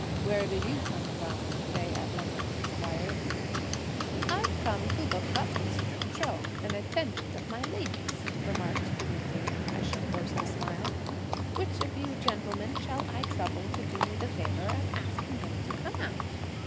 "Where do you come from?" they at length inquired. "I've come to look up Mr. Chou, an attendant of my lady's," remarked goody Liu, as she forced a smile; "which of you, gentlemen, shall I trouble to do me the favour of asking him to come out?"